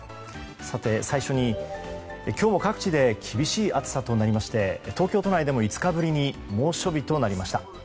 最初に今日も各地で厳しい暑さとなりまして東京都内でも５日ぶりに猛暑日となりました。